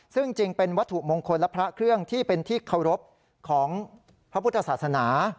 ซึ่งจริงเป็นวัตถุมงคลและพระเครื่องที่เป็นที่เคารพของพระพุทธศาสนา